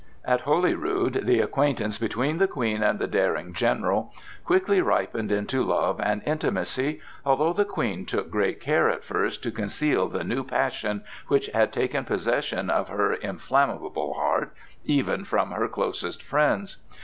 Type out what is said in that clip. At Holyrood the acquaintance between the Queen and the daring general quickly ripened into love and intimacy, although the Queen took great care at first to conceal the new passion which had taken possession of her inflammable heart, even from her closest friends.